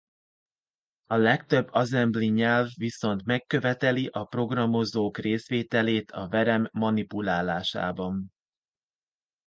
A legtöbb assembly nyelv viszont megköveteli a programozók részvételét a verem manipulálásában.